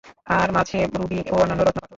আর মাঝে রুবি ও অন্যান্য রত্নপাথর।